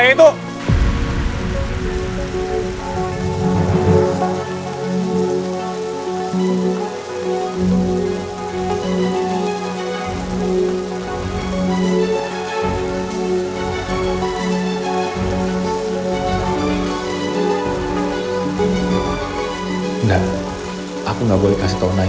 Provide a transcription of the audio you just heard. buat melengkurkan seseorang